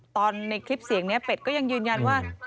ในคลิปเสียงนี้เป็ดก็ยังยืนยันว่า